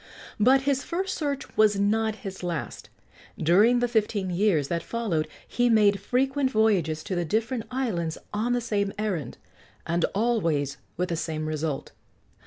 But his first search was not his last. During the fifteen years that followed he made frequent voyages to the different islands on the same errand, and always with the same result.